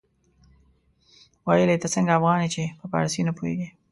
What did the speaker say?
ويل يې ته څنګه افغان يې چې په فارسي نه پوهېږې.